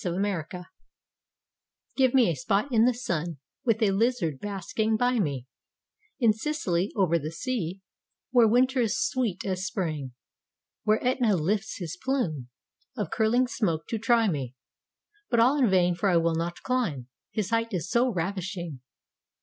_ BASKING Give me a spot in the sun, With a lizard basking by me, In Sicily, over the sea, Where Winter is sweet as Spring, Where Etna lifts his plume Of curling smoke to try me, But all in vain for I will not climb His height so ravishing.